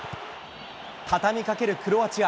畳みかけるクロアチア。